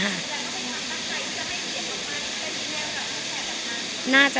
แต่เขาคือมาตั้งใจที่จะได้เห็นว่าความคิดแมวกับเขาแทนกัน